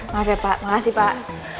maaf ya pak makasih pak